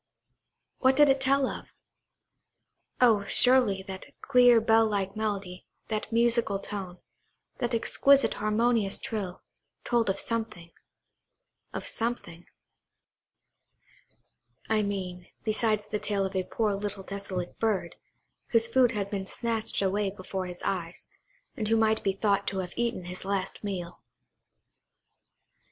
What did it tell of? Oh, surely, that clear bell like melody, that musical tone, that exquisite harmonious trill, told of something–of something, I mean, besides the tale of a poor little desolate bird, whose food had been snatched away before his eyes, and who might be thought to have eaten his last meal.